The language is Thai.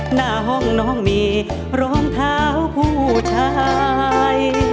หน้าห้องน้องมีรองเท้าผู้ชาย